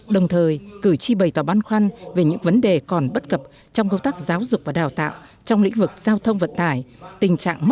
đồng thời cử tri bày tỏ băn khoăn về những vấn đề còn bất cập trong công tác giáo dục và đào tạo trong lĩnh vực giao thông vận tải